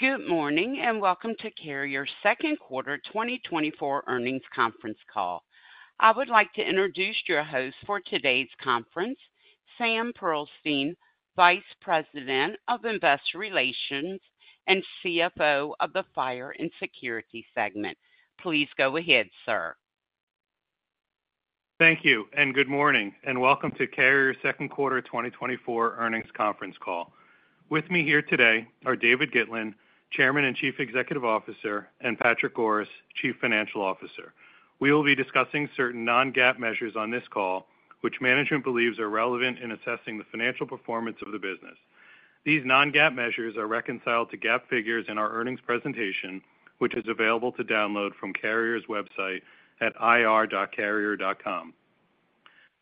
Good morning and welcome to Carrier second quarter 2024 earnings conference call. I would like to introduce your host for today's conference, Sam Pearlstein, Vice President of Investor Relations and CFO of the Fire & Security segment. Please go ahead, sir. Thank you and good morning and welcome to Carrier second quarter 2024 earnings conference call. With me here today are David Gitlin, Chairman and Chief Executive Officer, and Patrick Goris, Chief Financial Officer. We will be discussing certain non-GAAP measures on this call, which management believes are relevant in assessing the financial performance of the business. These non-GAAP measures are reconciled to GAAP figures in our earnings presentation, which is available to download from Carrier's website at ir.carrier.com.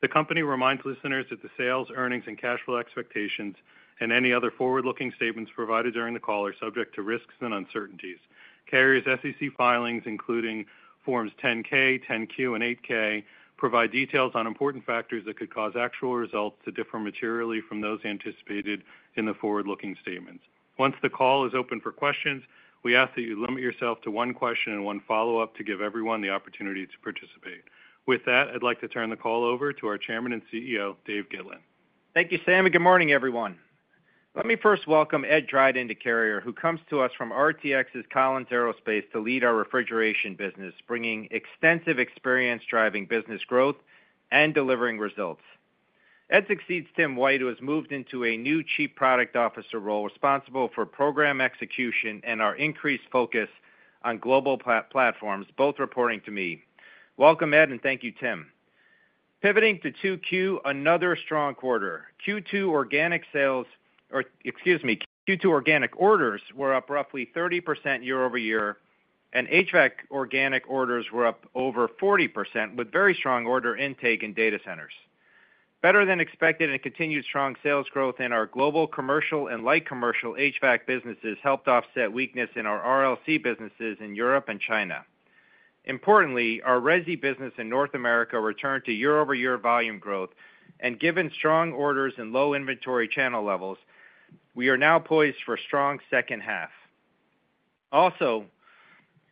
The company reminds listeners that the sales, earnings, and cash flow expectations, and any other forward-looking statements provided during the call are subject to risks and uncertainties. Carrier's SEC filings, including Forms 10-K, 10-Q, and 8-K, provide details on important factors that could cause actual results to differ materially from those anticipated in the forward-looking statements. Once the call is open for questions, we ask that you limit yourself to one question and one follow-up to give everyone the opportunity to participate. With that, I'd like to turn the call over to our Chairman and CEO, Dave Gitlin. Thank you, Sam, and good morning, everyone. Let me first welcome Ed Dryden to Carrier, who comes to us from RTX's Collins Aerospace to lead our refrigeration business, bringing extensive experience driving business growth and delivering results. Ed succeeds Tim White, who has moved into a new Chief Product Officer role responsible for program execution and our increased focus on global platforms, both reporting to me. Welcome, Ed, and thank you, Tim. Pivoting to Q2, another strong quarter. Q2 organic sales, excuse me, Q2 organic orders were up roughly 30% year-over-year, and HVAC organic orders were up over 40% with very strong order intake in data centers. Better than expected, and continued strong sales growth in our global commercial and light commercial HVAC businesses helped offset weakness in our RLC businesses in Europe and China. Importantly, our Resi business in North America returned to year-over-year volume growth, and given strong orders and low inventory channel levels, we are now poised for a strong second half. Also,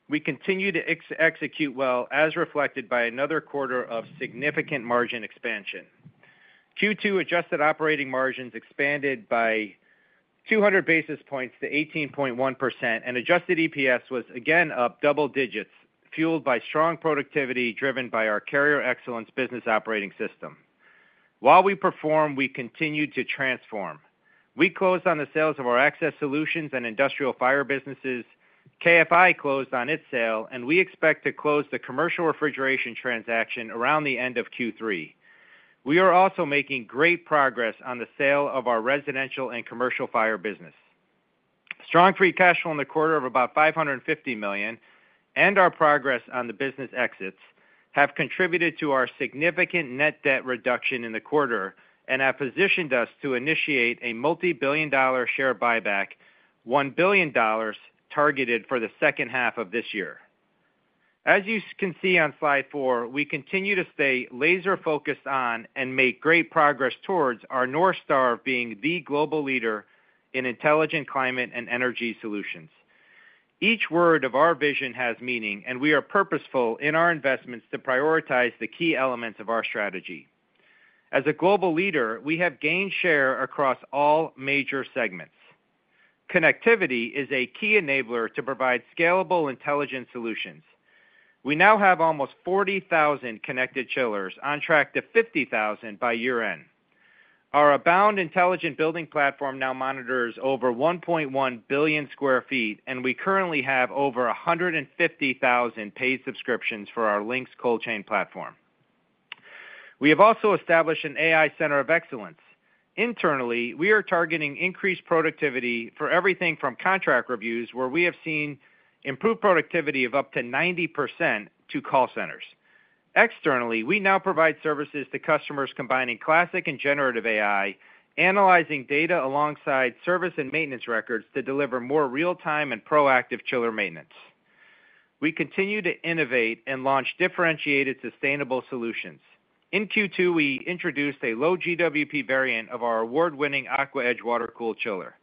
we continue to execute well, as reflected by another quarter of significant margin expansion. Q2 adjusted operating margins expanded by 200 basis points to 18.1%, and Adjusted EPS was again up double digits, fueled by strong productivity driven by our Carrier Excellence business operating system. While we perform, we continue to transform. We closed on the sales of our Access Solutions and Industrial Fire businesses. KFI closed on its sale, and we expect to close the Commercial Refrigeration transaction around the end of Q3. We are also making great progress on the sale of our Residential and Commercial Fire business. Strong free cash flow in the quarter of about $550 million and our progress on the business exits have contributed to our significant net debt reduction in the quarter and have positioned us to initiate a multi-billion dollar share buyback, $1 billion targeted for the second half of this year. As you can see on slide four, we continue to stay laser-focused on and make great progress towards our North Star of being the global leader in intelligent climate and energy solutions. Each word of our vision has meaning, and we are purposeful in our investments to prioritize the key elements of our strategy. As a global leader, we have gained share across all major segments. Connectivity is a key enabler to provide scalable intelligence solutions. We now have almost 40,000 connected chillers, on track to 50,000 by year-end. Our Abound intelligent building platform now monitors over 1.1 billion sq ft, and we currently have over 150,000 paid subscriptions for our Lynx Cold Chain platform. We have also established an AI Center of Excellence. Internally, we are targeting increased productivity for everything from contract reviews, where we have seen improved productivity of up to 90%, to call centers. Externally, we now provide services to customers combining classic and generative AI, analyzing data alongside service and maintenance records to deliver more real-time and proactive chiller maintenance. We continue to innovate and launch differentiated sustainable solutions. In Q2, we introduced a low GWP variant of our award-winning AquaEdge water-cooled chiller.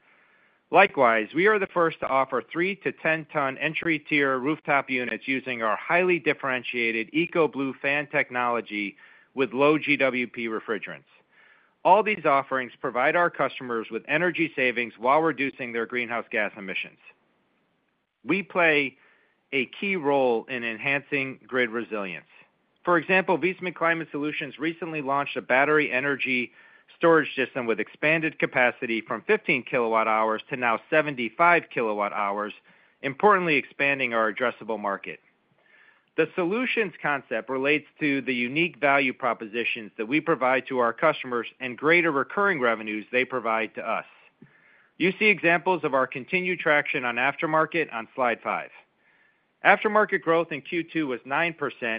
Likewise, we are the first to offer 3-10-ton entry-tier rooftop units using our highly differentiated EcoBlue fan technology with low GWP refrigerants. All these offerings provide our customers with energy savings while reducing their greenhouse gas emissions. We play a key role in enhancing grid resilience. For example, Viessmann Climate Solutions recently launched a battery energy storage system with expanded capacity from 15 kWh to now 75 kWh, importantly expanding our addressable market. The solutions concept relates to the unique value propositions that we provide to our customers and greater recurring revenues they provide to us. You see examples of our continued traction on aftermarket on slide five. Aftermarket growth in Q2 was 9%,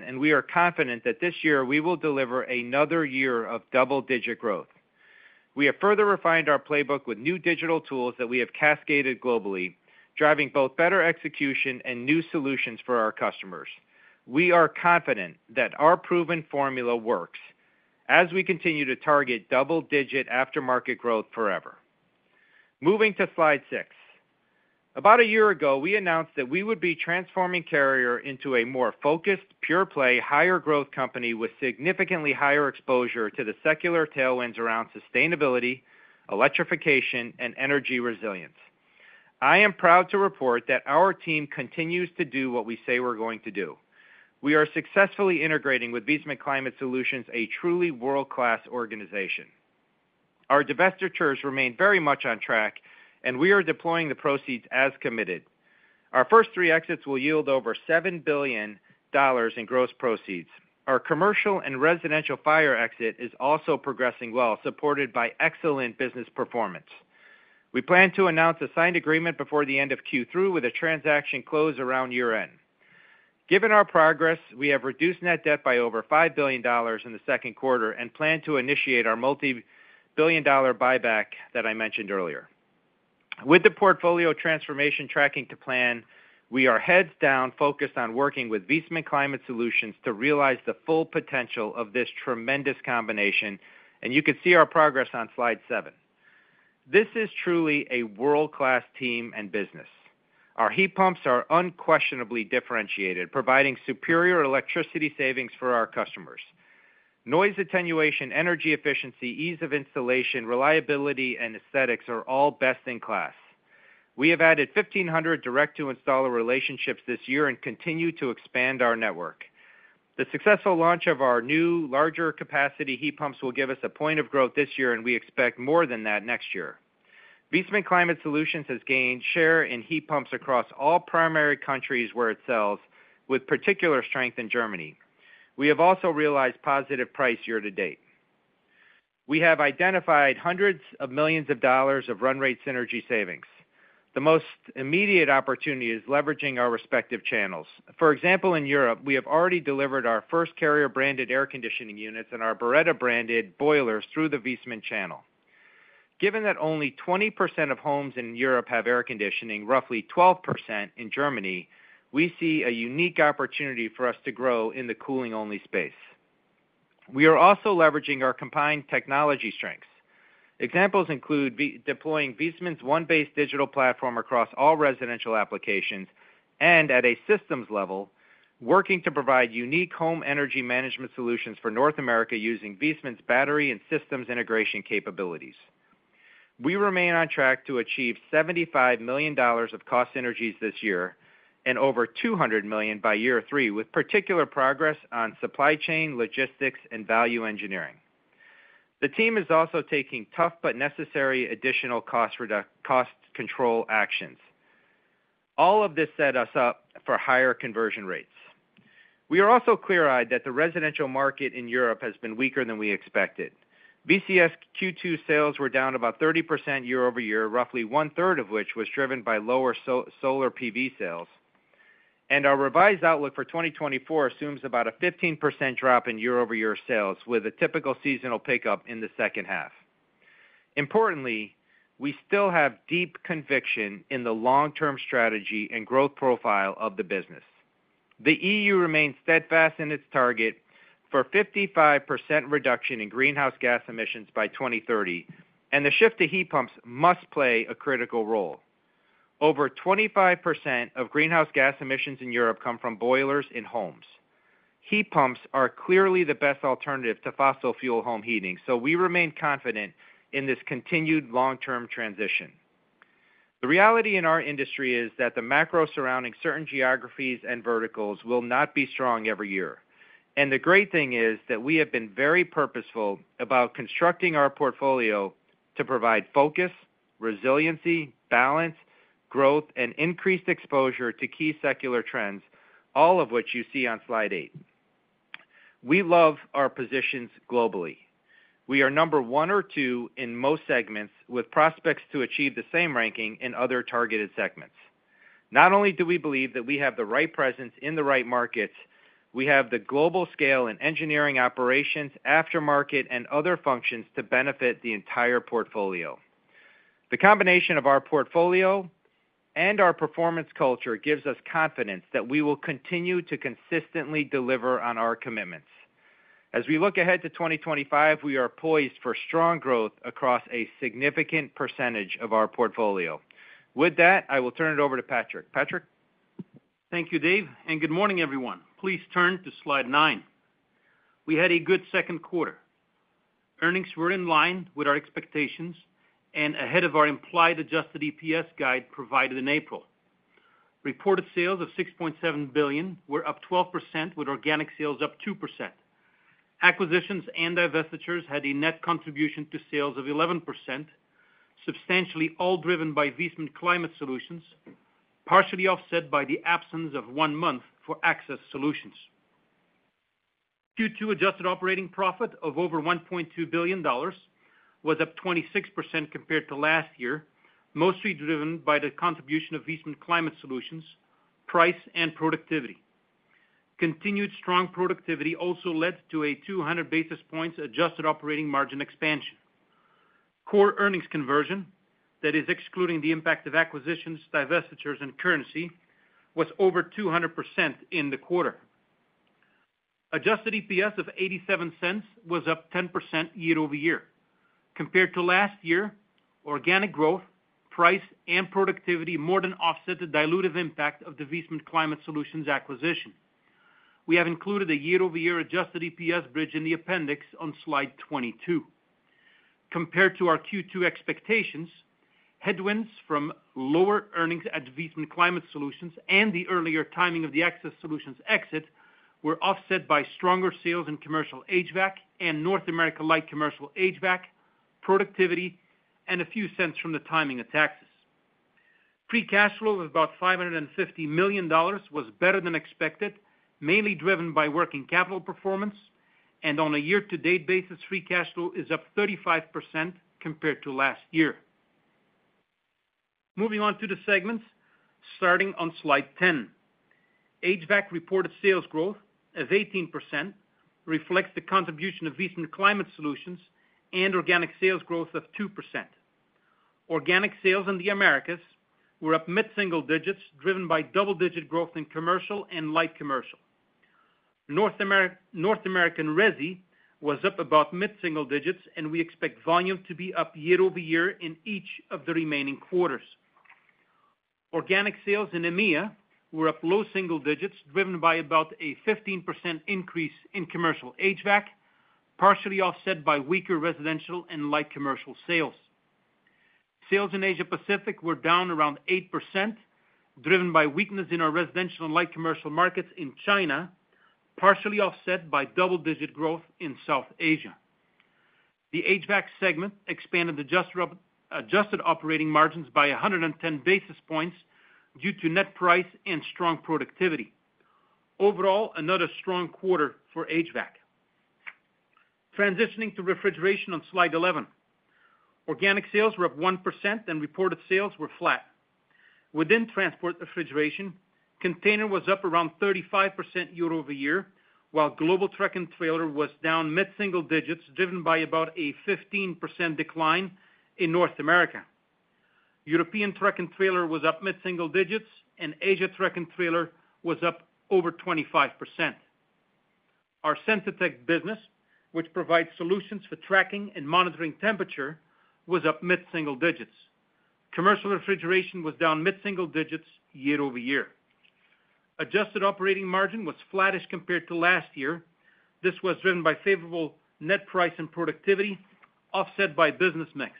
and we are confident that this year we will deliver another year of double-digit growth. We have further refined our playbook with new digital tools that we have cascaded globally, driving both better execution and new solutions for our customers. We are confident that our proven formula works as we continue to target double-digit aftermarket growth forever. Moving to slide six. About a year ago, we announced that we would be transforming Carrier into a more focused, pure-play, higher-growth company with significantly higher exposure to the secular tailwinds around sustainability, electrification, and energy resilience. I am proud to report that our team continues to do what we say we're going to do. We are successfully integrating with Viessmann Climate Solutions, a truly world-class organization. Our divestitures remain very much on track, and we are deploying the proceeds as committed. Our first three exits will yield over $7 billion in gross proceeds. Our Commercial and Residential Fire exit is also progressing well, supported by excellent business performance. We plan to announce a signed agreement before the end of Q3 with a transaction close around year-end. Given our progress, we have reduced net debt by over $5 billion in the second quarter and plan to initiate our multi-billion-dollar buyback that I mentioned earlier. With the portfolio transformation tracking to plan, we are heads down focused on working with Viessmann Climate Solutions to realize the full potential of this tremendous combination, and you can see our progress on slide seven. This is truly a world-class team and business. Our heat pumps are unquestionably differentiated, providing superior electricity savings for our customers. Noise attenuation, energy efficiency, ease of installation, reliability, and aesthetics are all best in class. We have added 1,500 direct-to-installer relationships this year and continue to expand our network. The successful launch of our new, larger-capacity heat pumps will give us a point of growth this year, and we expect more than that next year. Viessmann Climate Solutions has gained share in heat pumps across all primary countries where it sells, with particular strength in Germany. We have also realized positive price year-to-date. We have identified hundreds of millions of dollars of run-rate synergy savings. The most immediate opportunity is leveraging our respective channels. For example, in Europe, we have already delivered our first Carrier-branded air conditioning units and our Beretta-branded boilers through the Viessmann channel. Given that only 20% of homes in Europe have air conditioning, roughly 12% in Germany, we see a unique opportunity for us to grow in the cooling-only space. We are also leveraging our combined technology strengths. Examples include deploying Viessmann's One Base digital platform across all residential applications and, at a systems level, working to provide unique home energy management solutions for North America using Viessmann's battery and systems integration capabilities. We remain on track to achieve $75 million of cost synergies this year and over $200 million by year three, with particular progress on supply chain, logistics, and value engineering. The team is also taking tough but necessary additional cost control actions. All of this sets us up for higher conversion rates. We are also clear-eyed that the residential market in Europe has been weaker than we expected. VCS Q2 sales were down about 30% year-over-year, roughly one-third of which was driven by lower Solar PV sales, and our revised outlook for 2024 assumes about a 15% drop in year-over-year sales with a typical seasonal pickup in the second half. Importantly, we still have deep conviction in the long-term strategy and growth profile of the business. The EU remains steadfast in its target for 55% reduction in greenhouse gas emissions by 2030, and the shift to heat pumps must play a critical role. Over 25% of greenhouse gas emissions in Europe come from boilers in homes. Heat pumps are clearly the best alternative to fossil fuel home heating, so we remain confident in this continued long-term transition. The reality in our industry is that the macro surrounding certain geographies and verticals will not be strong every year, and the great thing is that we have been very purposeful about constructing our portfolio to provide focus, resiliency, balance, growth, and increased exposure to key secular trends, all of which you see on slide 8. We love our positions globally. We are number one or two in most segments, with prospects to achieve the same ranking in other targeted segments. Not only do we believe that we have the right presence in the right markets, we have the global scale in engineering operations, aftermarket, and other functions to benefit the entire portfolio. The combination of our portfolio and our performance culture gives us confidence that we will continue to consistently deliver on our commitments. As we look ahead to 2025, we are poised for strong growth across a significant percentage of our portfolio. With that, I will turn it over to Patrick. Patrick. Thank you, Dave, and good morning, everyone. Please turn to slide nine. We had a good second quarter. Earnings were in line with our expectations and ahead of our implied adjusted EPS guide provided in April. Reported sales of $6.7 billion were up 12%, with organic sales up 2%. Acquisitions and divestitures had a net contribution to sales of 11%, substantially all driven by Viessmann Climate Solutions, partially offset by the absence of one month for Access Solutions. Q2 adjusted operating profit of over $1.2 billion was up 26% compared to last year, mostly driven by the contribution of Viessmann Climate Solutions, price, and productivity. Continued strong productivity also led to a 200 basis points adjusted operating margin expansion. Core earnings conversion, that is excluding the impact of acquisitions, divestitures, and currency, was over 200% in the quarter. Adjusted EPS of $0.87 was up 10% year-over-year. Compared to last year, organic growth, price, and productivity more than offset the dilutive impact of the Viessmann Climate Solutions acquisition. We have included a year-over-year adjusted EPS bridge in the appendix on slide 22. Compared to our Q2 expectations, headwinds from lower earnings at Viessmann Climate Solutions and the earlier timing of the Access Solutions exit were offset by stronger sales in commercial HVAC and North America light commercial HVAC, productivity, and a few cents from the timing of taxes. free cash flow of about $550 million was better than expected, mainly driven by working capital performance, and on a year-to-date basis, free cash flow is up 35% compared to last year. Moving on to the segments, starting on slide 10. HVAC reported sales growth of 18% reflects the contribution of Viessmann Climate Solutions and organic sales growth of 2%. Organic sales in the Americas were up mid-single digits, driven by double-digit growth in commercial and light commercial. North American Resi was up about mid-single digits, and we expect volume to be up year-over-year in each of the remaining quarters. Organic sales in EMEA were up low single digits, driven by about a 15% increase in commercial HVAC, partially offset by weaker residential and light commercial sales. Sales in Asia-Pacific were down around 8%, driven by weakness in our residential and light commercial markets in China, partially offset by double-digit growth in South Asia. The HVAC segment expanded adjusted operating margins by 110 basis points due to net price and strong productivity. Overall, another strong quarter for HVAC. Transitioning to refrigeration on slide 11. Organic sales were up 1%, and reported sales were flat. Within transport refrigeration, container was up around 35% year-over-year, while global truck and trailer was down mid-single digits, driven by about a 15% decline in North America. European truck and trailer was up mid-single digits, and Asia truck and trailer was up over 25%. Our Sensitech business, which provides solutions for tracking and monitoring temperature, was up mid-single digits. Commercial Refrigeration was down mid-single digits year-over-year. Adjusted operating margin was flattish compared to last year. This was driven by favorable net price and productivity, offset by business mix.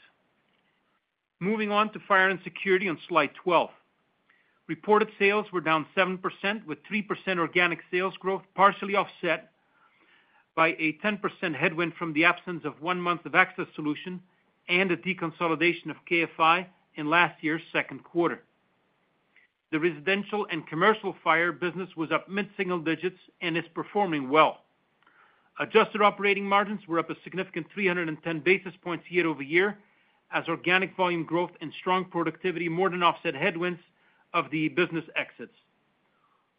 Moving on to Fire & Security on slide 12. Reported sales were down 7%, with 3% organic sales growth, partially offset by a 10% headwind from the absence of 1 month of Access Solutions and a deconsolidation of KFI in last year's second quarter. The Residential and Commercial Fire business was up mid-single digits and is performing well. Adjusted operating margins were up a significant 310 basis points year-over-year, as organic volume growth and strong productivity more than offset headwinds of the business exits.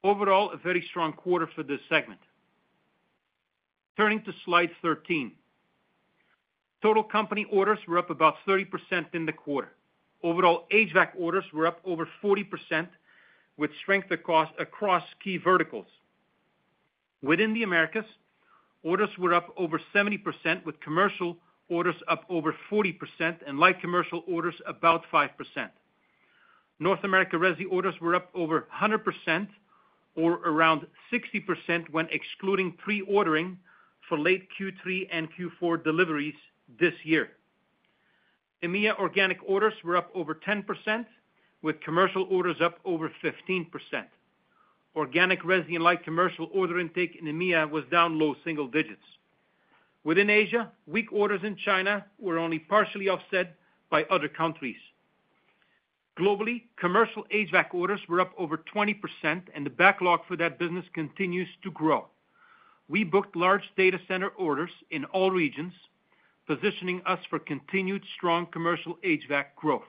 Overall, a very strong quarter for this segment. Turning to slide 13. Total company orders were up about 30% in the quarter. Overall, HVAC orders were up over 40%, with strength across key verticals. Within the Americas, orders were up over 70%, with commercial orders up over 40% and light commercial orders about 5%. North America Resi orders were up over 100%, or around 60%, when excluding pre-ordering for late Q3 and Q4 deliveries this year. EMEA organic orders were up over 10%, with commercial orders up over 15%. Organic Resi and light commercial order intake in EMEA was down low single digits. Within Asia, weak orders in China were only partially offset by other countries. Globally, commercial HVAC orders were up over 20%, and the backlog for that business continues to grow. We booked large data center orders in all regions, positioning us for continued strong commercial HVAC growth.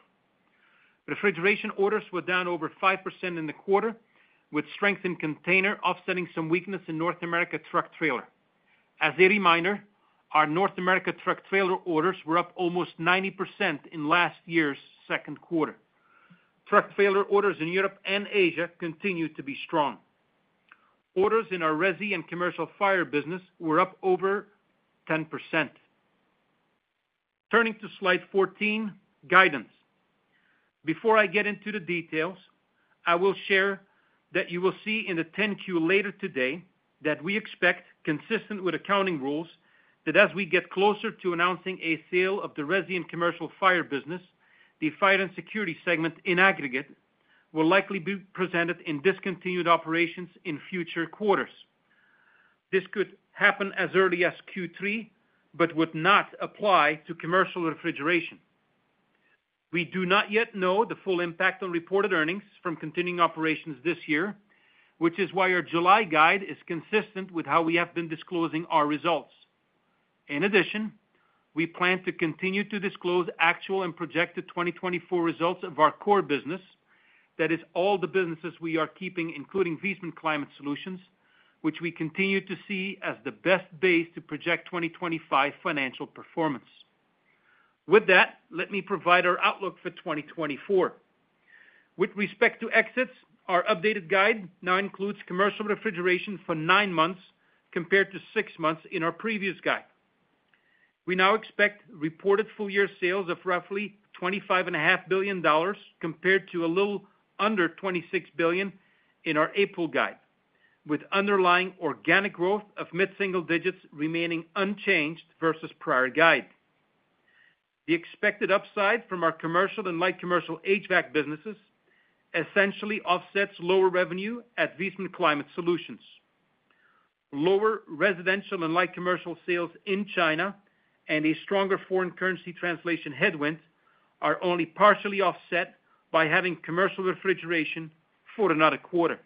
Refrigeration orders were down over 5% in the quarter, with strength in container offsetting some weakness in North America truck trailer. As a reminder, our North America truck trailer orders were up almost 90% in last year's second quarter. Truck trailer orders in Europe and Asia continue to be strong. Orders in our Resi and Commercial Fire business were up over 10%. Turning to slide 14, guidance. Before I get into the details, I will share that you will see in the 10-Q later today that we expect, consistent with accounting rules, that as we get closer to announcing a sale of the Resi and Commercial Fire business, the Fire & Security segment in aggregate will likely be presented in discontinued operations in future quarters. This could happen as early as Q3 but would not apply to Commercial Refrigeration. We do not yet know the full impact on reported earnings from continuing operations this year, which is why our July guide is consistent with how we have been disclosing our results. In addition, we plan to continue to disclose actual and projected 2024 results of our core business, that is all the businesses we are keeping, including Viessmann Climate Solutions, which we continue to see as the best base to project 2025 financial performance. With that, let me provide our outlook for 2024. With respect to exits, our updated guide now includes Commercial Refrigeration for nine months compared to six months in our previous guide. We now expect reported full-year sales of roughly $25.5 billion compared to a little under $26 billion in our April guide, with underlying organic growth of mid-single digits remaining unchanged versus prior guide. The expected upside from our commercial and light commercial HVAC businesses essentially offsets lower revenue at Viessmann Climate Solutions. Lower residential and light commercial sales in China and a stronger foreign currency translation headwind are only partially offset by having Commercial Refrigeration for another quarter.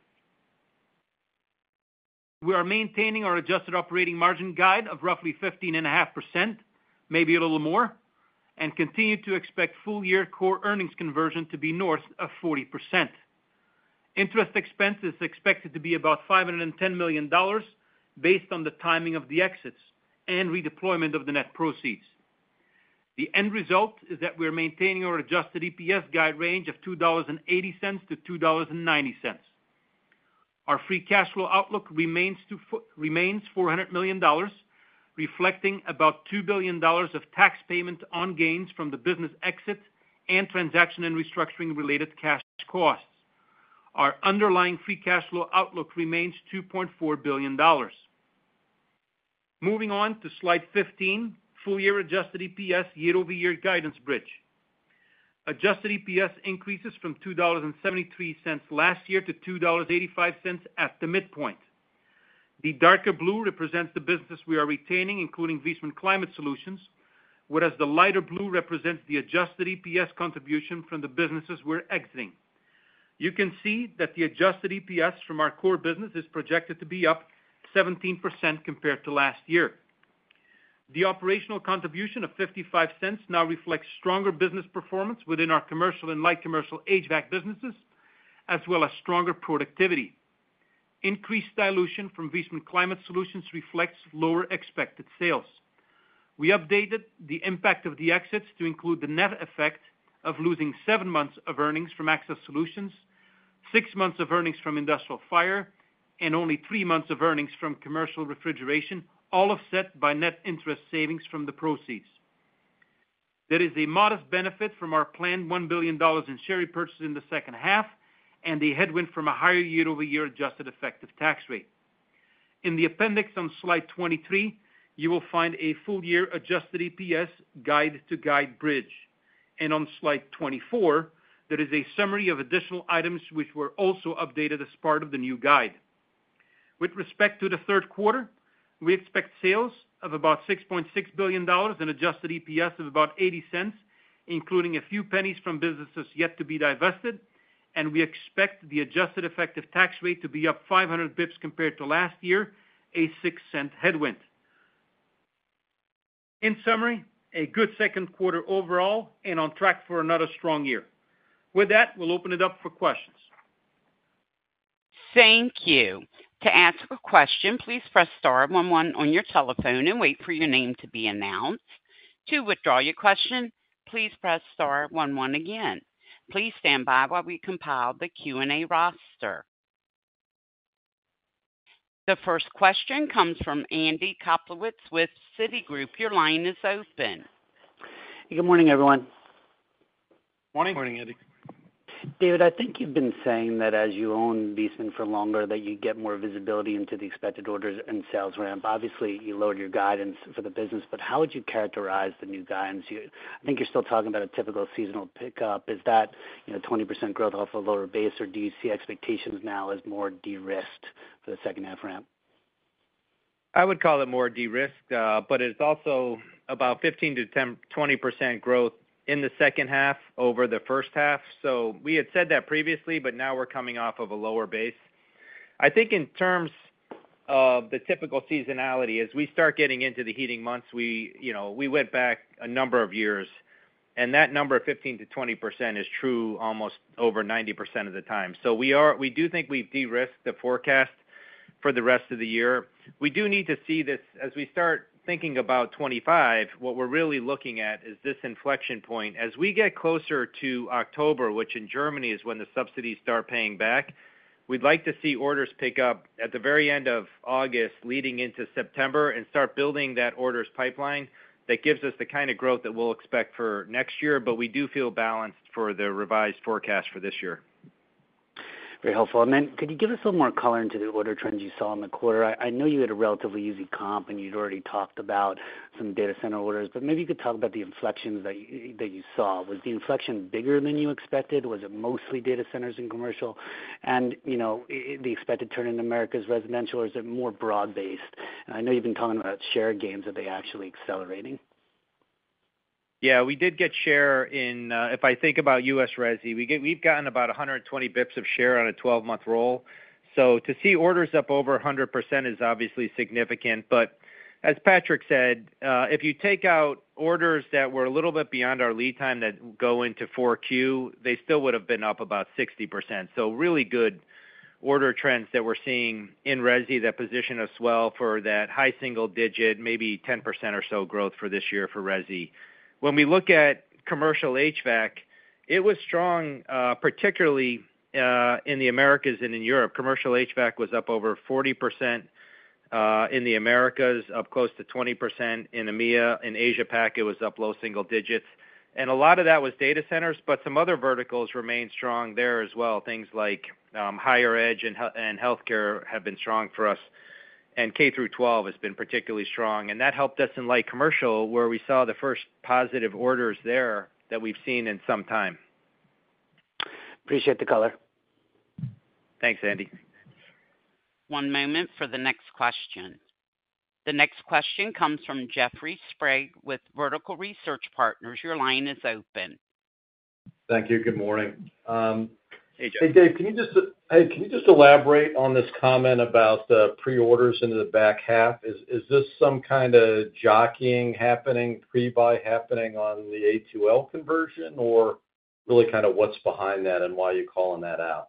We are maintaining our adjusted operating margin guide of roughly 15.5%, maybe a little more, and continue to expect full-year core earnings conversion to be north of 40%. Interest expense is expected to be about $510 million based on the timing of the exits and redeployment of the net proceeds. The end result is that we are maintaining our Adjusted EPS guide range of $2.80-$2.90. Our free cash flow outlook remains $400 million, reflecting about $2 billion of tax payment on gains from the business exit and transaction and restructuring-related cash costs. Our underlying free cash flow outlook remains $2.4 billion. Moving on to slide 15, full-year Adjusted EPS year-over-year guidance bridge. Adjusted EPS increases from $2.73 last year to $2.85 at the midpoint. The darker blue represents the businesses we are retaining, including Viessmann Climate Solutions, whereas the lighter blue represents the Adjusted EPS contribution from the businesses we're exiting. You can see that the Adjusted EPS from our core business is projected to be up 17% compared to last year. The operational contribution of $0.55 now reflects stronger business performance within our commercial and light commercial HVAC businesses, as well as stronger productivity. Increased dilution from Viessmann Climate Solutions reflects lower expected sales. We updated the impact of the exits to include the net effect of losing seven months of earnings from Access Solutions, six months of earnings from Industrial Fire, and only three months of earnings from Commercial Refrigeration, all offset by net interest savings from the proceeds. There is a modest benefit from our planned $1 billion in share repurchase in the second half and the headwind from a higher year-over-year adjusted effective tax rate. In the appendix on slide 23, you will find a full-year adjusted EPS guide-to-guide bridge. On slide 24, there is a summary of additional items which were also updated as part of the new guide. With respect to the third quarter, we expect sales of about $6.6 billion and Adjusted EPS of about $0.80, including a few pennies from businesses yet to be divested, and we expect the adjusted effective tax rate to be up 500 basis points compared to last year, a $0.06 headwind. In summary, a good second quarter overall and on track for another strong year. With that, we'll open it up for questions. Thank you. To ask a question, please press star one one on your telephone and wait for your name to be announced. To withdraw your question, please press star one one again. Please stand by while we compile the Q&A roster. The first question comes from Andy Kaplowitz with Citigroup. Your line is open. Good morning, everyone. Morning. Morning, Andy. David, I think you've been saying that as you own Viessmann for longer, that you get more visibility into the expected orders and sales ramp. Obviously, you lowered your guidance for the business, but how would you characterize the new guidance? I think you're still talking about a typical seasonal pickup. Is that 20% growth off a lower base, or do you see expectations now as more de-risked for the second-half ramp? I would call it more de-risked, but it's also about 15%-20% growth in the second half over the first half. So we had said that previously, but now we're coming off of a lower base. I think in terms of the typical seasonality, as we start getting into the heating months, we went back a number of years, and that number of 15%-20% is true almost over 90% of the time. So we do think we've de-risked the forecast for the rest of the year. We do need to see this, as we start thinking about 2025, what we're really looking at is this inflection point. As we get closer to October, which in Germany is when the subsidies start paying back, we'd like to see orders pick up at the very end of August leading into September and start building that orders pipeline that gives us the kind of growth that we'll expect for next year, but we do feel balanced for the revised forecast for this year. Very helpful. And then, could you give us a little more color into the order trends you saw in the quarter? I know you had a relatively easy comp, and you'd already talked about some data center orders, but maybe you could talk about the inflections that you saw. Was the inflection bigger than you expected? Was it mostly data centers and commercial? And the expected turn in Americas residential, or is it more broad-based? I know you've been talking about share gains that they actually accelerating. Yeah, we did get share in, if I think about U.S. Resi, we've gotten about 120 basis points of share on a 12-month roll. So to see orders up over 100% is obviously significant, but as Patrick said, if you take out orders that were a little bit beyond our lead time that go into 4Q, they still would have been up about 60%. So really good order trends that we're seeing in Resi that position us well for that high single-digit, maybe 10% or so growth for this year for Resi. When we look at commercial HVAC, it was strong, particularly in the Americas and in Europe. Commercial HVAC was up over 40% in the Americas, up close to 20% in EMEA. In Asia-Pacific, it was up low single digits. And a lot of that was data centers, but some other verticals remained strong there as well. Things like higher ed and healthcare have been strong for us, and K through 12 has been particularly strong. That helped us in light commercial, where we saw the first positive orders there that we've seen in some time. Appreciate the color. Thanks, Andy. One moment for the next question. The next question comes from Jeffrey Sprague with Vertical Research Partners. Your line is open. Thank you. Good morning. Hey, Jeff. Hey, Dave, can you just elaborate on this comment about pre-orders into the back half? Is this some kind of jockeying happening, pre-buy happening on the A2L conversion, or really kind of what's behind that and why you're calling that out?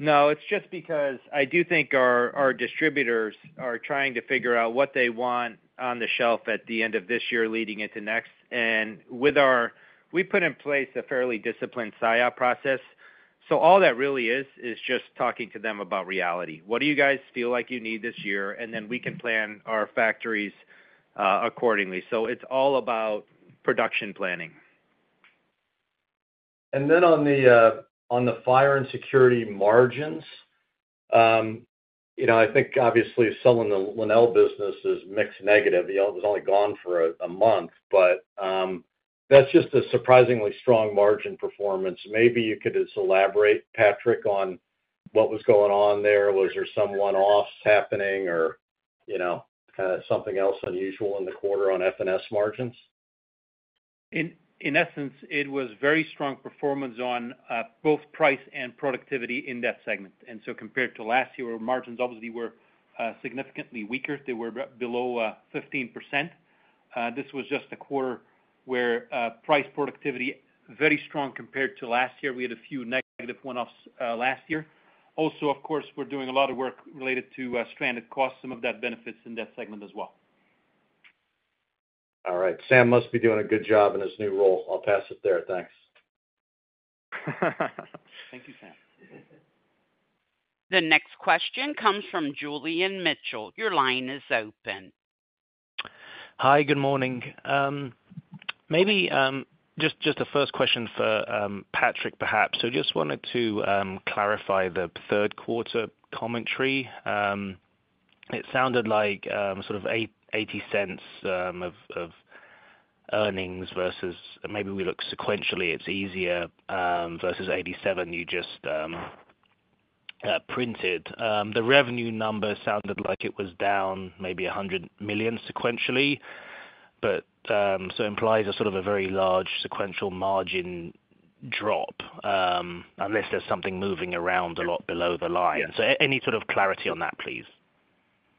No, it's just because I do think our distributors are trying to figure out what they want on the shelf at the end of this year leading into next. And we put in place a fairly disciplined sign-up process. So all that really is, is just talking to them about reality. What do you guys feel like you need this year? And then we can plan our factories accordingly. So it's all about production planning. Then on the Fire & Security margins, I think obviously selling the Lenel business is mix negative. It's only gone for a month, but that's just a surprisingly strong margin performance. Maybe you could just elaborate, Patrick, on what was going on there. Was there some one-offs happening or kind of something else unusual in the quarter on F&S margins? In essence, it was very strong performance on both price and productivity in that segment. And so compared to last year, our margins obviously were significantly weaker. They were below 15%. This was just a quarter where price productivity was very strong compared to last year. We had a few negative one-offs last year. Also, of course, we're doing a lot of work related to stranded costs, some of that benefits in that segment as well. All right. Sam must be doing a good job in his new role. I'll pass it there. Thanks. Thank you, Sam. The next question comes from Julian Mitchell. Your line is open. Hi, good morning. Maybe just a first question for Patrick, perhaps. So just wanted to clarify the third quarter commentary. It sounded like sort of $0.80 of earnings versus maybe we look sequentially, it's easier versus $0.87 you just printed. The revenue number sounded like it was down maybe $100 million sequentially, but so implies a sort of a very large sequential margin drop unless there's something moving around a lot below the line. So any sort of clarity on that, please?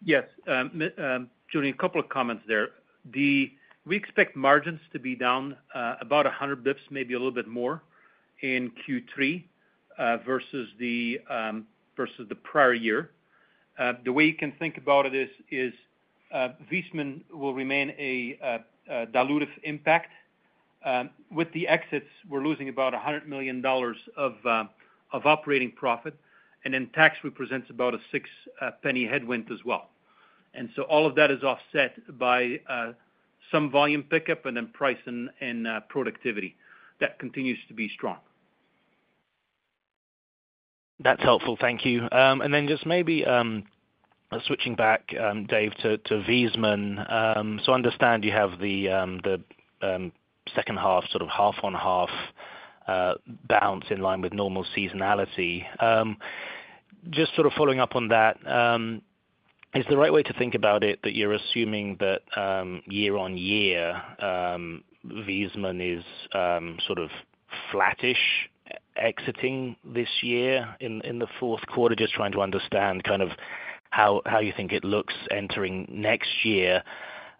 Yes. Julian, a couple of comments there. We expect margins to be down about 100 basis points, maybe a little bit more in Q3 versus the prior year. The way you can think about it is Viessmann will remain a dilutive impact. With the exits, we're losing about $100 million of operating profit, and then tax represents about a $0.06 headwind as well. So all of that is offset by some volume pickup and then price and productivity that continues to be strong. That's helpful. Thank you. And then just maybe switching back, Dave, to Viessmann. So I understand you have the second half, sort of half on half bounce in line with normal seasonality. Just sort of following up on that, is the right way to think about it that you're assuming that year-over-year Viessmann is sort of flattish exiting this year in the fourth quarter, just trying to understand kind of how you think it looks entering next year?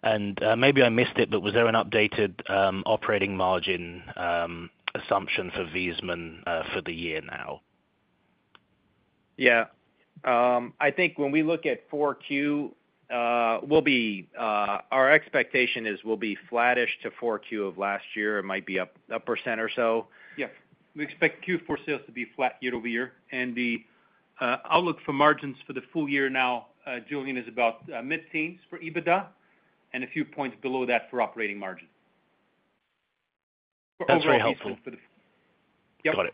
And maybe I missed it, but was there an updated operating margin assumption for Viessmann for the year now? Yeah. I think when we look at 4Q, our expectation is we'll be flattish to 4Q of last year. It might be up 1% or so. Yeah. We expect Q4 sales to be flat year-over-year. And the outlook for margins for the full year now, Julian, is about mid-teens for EBITDA and a few points below that for operating margin. That's very helpful. Overall, yep. Got it.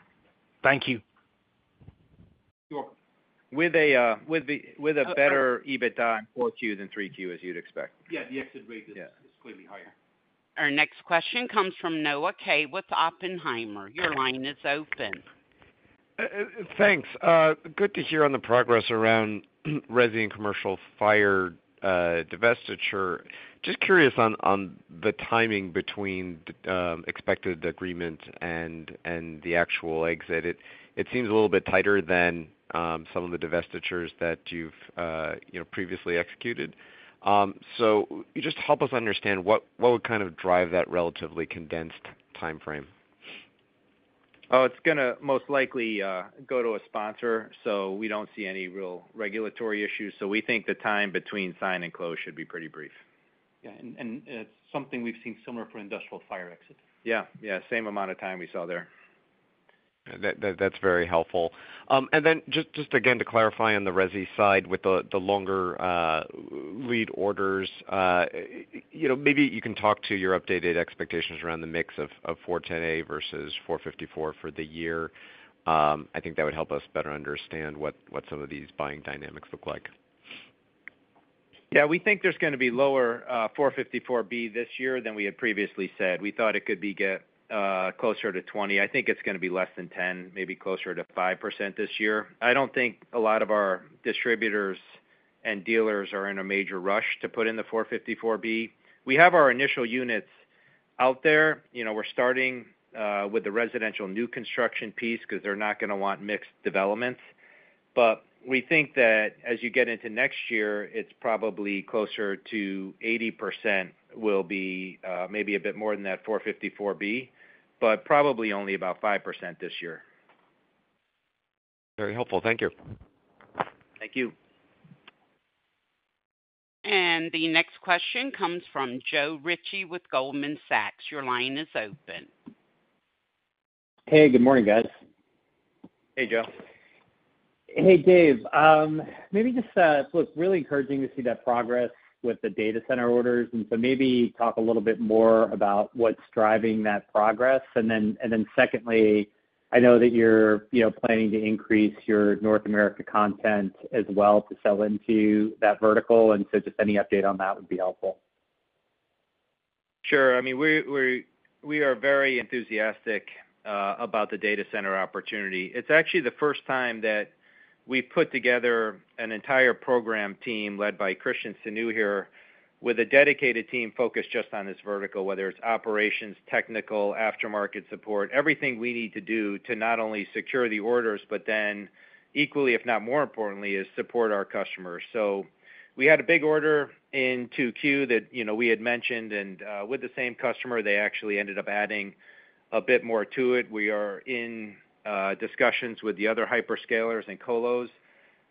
Thank you. You're welcome. With a better EBITDA in 4Q than 3Q, as you'd expect. Yeah. The exit rate is clearly higher. Our next question comes from Noah Kaye with Oppenheimer. Your line is open. Thanks. Good to hear on the progress around Resi and Commercial Fire divestiture. Just curious on the timing between expected agreement and the actual exit. It seems a little bit tighter than some of the divestitures that you've previously executed. So just help us understand what would kind of drive that relatively condensed timeframe. Oh, it's going to most likely go to a sponsor, so we don't see any real regulatory issues. We think the time between sign and close should be pretty brief. Yeah. And it's something we've seen similar for Industrial Fire exit. Yeah. Yeah. Same amount of time we saw there. That's very helpful. And then just again to clarify on the Resi side with the longer lead orders, maybe you can talk to your updated expectations around the mix of 410A versus 454 for the year. I think that would help us better understand what some of these buying dynamics look like. Yeah. We think there's going to be lower 454B this year than we had previously said. We thought it could get closer to 20%. I think it's going to be less than 10%, maybe closer to 5% this year. I don't think a lot of our distributors and dealers are in a major rush to put in the 454B. We have our initial units out there. We're starting with the residential new construction piece because they're not going to want mixed developments. But we think that as you get into next year, it's probably closer to 80% will be maybe a bit more than that 454B, but probably only about 5% this year. Very helpful. Thank you. Thank you. The next question comes from Joe Ritchie with Goldman Sachs. Your line is open. Hey, good morning, guys. Hey, Joe. Hey, Dave. Maybe just look, really encouraging to see that progress with the data center orders. So maybe talk a little bit more about what's driving that progress. And then secondly, I know that you're planning to increase your North America content as well to sell into that vertical. So just any update on that would be helpful. Sure. I mean, we are very enthusiastic about the data center opportunity. It's actually the first time that we've put together an entire program team led by Christian Senu here with a dedicated team focused just on this vertical, whether it's operations, technical, aftermarket support, everything we need to do to not only secure the orders, but then equally, if not more importantly, is support our customers. So we had a big order in 2Q that we had mentioned, and with the same customer, they actually ended up adding a bit more to it. We are in discussions with the other hyperscalers and colos.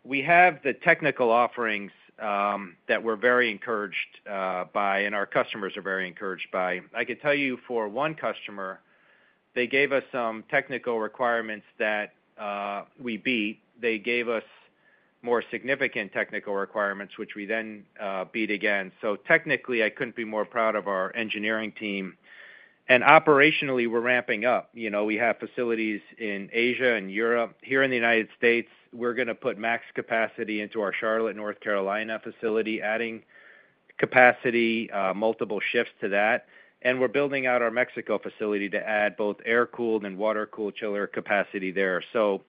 We have the technical offerings that we're very encouraged by, and our customers are very encouraged by. I can tell you for one customer, they gave us some technical requirements that we beat. They gave us more significant technical requirements, which we then beat again. So technically, I couldn't be more proud of our engineering team. And operationally, we're ramping up. We have facilities in Asia and Europe. Here in the United States, we're going to put max capacity into our Charlotte, North Carolina facility, adding capacity, multiple shifts to that. And we're building out our Mexico facility to add both air-cooled and water-cooled chiller capacity there. So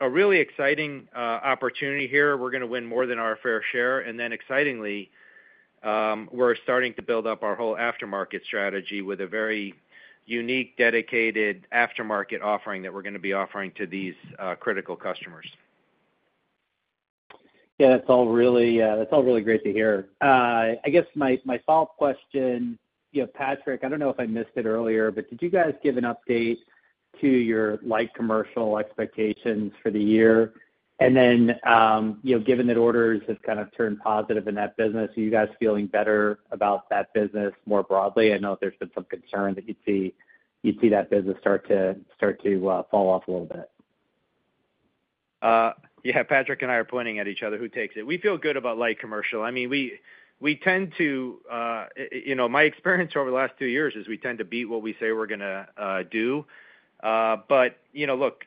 a really exciting opportunity here. We're going to win more than our fair share. And then excitingly, we're starting to build up our whole aftermarket strategy with a very unique, dedicated aftermarket offering that we're going to be offering to these critical customers. Yeah. That's all really great to hear. I guess my follow-up question, Patrick, I don't know if I missed it earlier, but did you guys give an update to your light commercial expectations for the year? And then given that orders have kind of turned positive in that business, are you guys feeling better about that business more broadly? I know that there's been some concern that you'd see that business start to fall off a little bit. Yeah. Patrick and I are pointing at each other who takes it. We feel good about light commercial. I mean, we tend to. My experience over the last two years is we tend to beat what we say we're going to do. But look,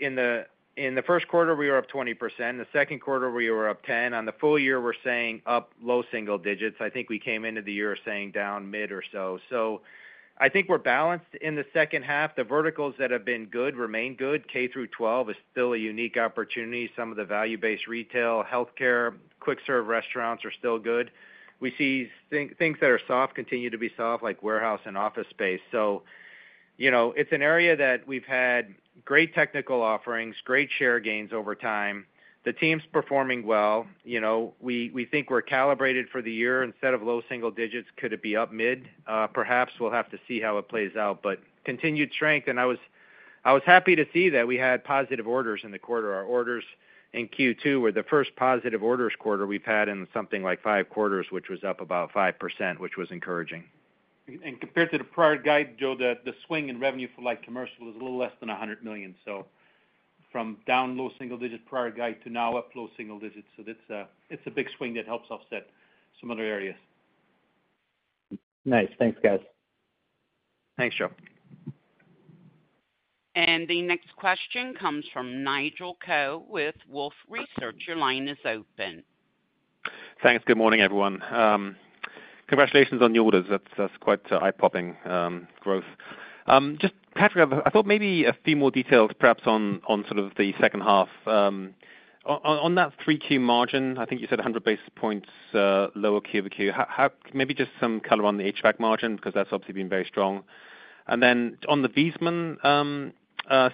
in the first quarter, we were up 20%. In the second quarter, we were up 10%. On the full year, we're saying up low single digits. I think we came into the year saying down mid or so. So I think we're balanced in the second half. The verticals that have been good remain good. K through 12 is still a unique opportunity. Some of the value-based retail, healthcare, quick-serve restaurants are still good. We see things that are soft continue to be soft, like warehouse and office space. So it's an area that we've had great technical offerings, great share gains over time. The team's performing well. We think we're calibrated for the year. Instead of low single digits, could it be up mid? Perhaps we'll have to see how it plays out, but continued strength. And I was happy to see that we had positive orders in the quarter. Our orders in Q2 were the first positive orders quarter we've had in something like five quarters, which was up about 5%, which was encouraging. Compared to the prior guide, Joe, the swing in revenue for light commercial is a little less than $100 million. From down low single digit prior guide to now up low single digit. It's a big swing that helps offset some other areas. Nice. Thanks, guys. Thanks, Joe. The next question comes from Nigel Coe with Wolfe Research. Your line is open. Thanks. Good morning, everyone. Congratulations on the orders. That's quite eye-popping growth. Just, Patrick, I thought maybe a few more details perhaps on sort of the second half. On that 3Q margin, I think you said 100 basis points lower QoQ. Maybe just some color on the HVAC margin because that's obviously been very strong. And then on the Viessmann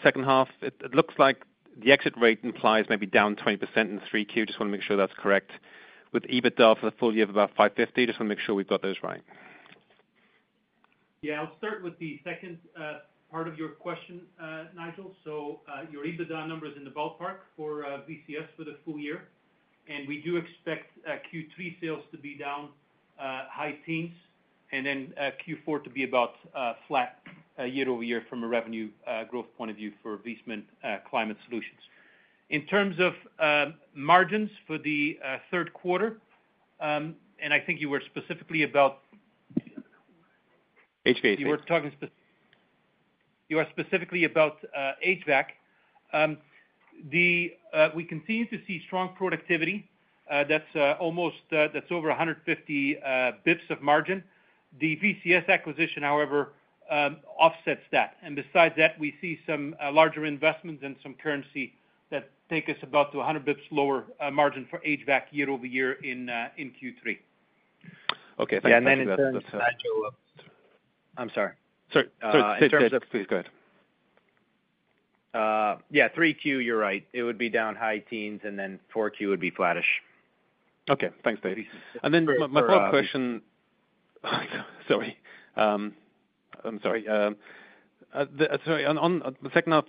second half, it looks like the exit rate implies maybe down 20% in 3Q. Just want to make sure that's correct. With EBITDA for the full year of about $550, just want to make sure we've got those right. Yeah. I'll start with the second part of your question, Nigel. So your EBITDA number is in the ballpark for VCS for the full year. And we do expect Q3 sales to be down high teens and then Q4 to be about flat year-over-year from a revenue growth point of view for Viessmann Climate Solutions. In terms of margins for the third quarter, and I think you were specifically about. HVAC. You were specifically about HVAC. We continue to see strong productivity. That's over 150 basis points of margin. The VCS acquisition, however, offsets that. And besides that, we see some larger investments and some currency that take us about to 100 basis points lower margin for HVAC year-over-year in Q3. Okay. Thanks for clarifying. Yeah. And then in terms of. I'm sorry. Sorry. In terms of. Sorry. Please go ahead. Yeah. 3Q, you're right. It would be down high teens, and then 4Q would be flattish. Okay. Thanks, David. And then my follow-up question. Sorry. I'm sorry. Sorry. On the second half,